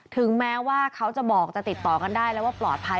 ถึงแม้ว่าเขาจะบอกจะติดต่อกันได้แล้วว่าปลอดภัย